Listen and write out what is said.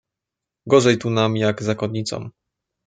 "gorzej tu nam jak zakonnicom."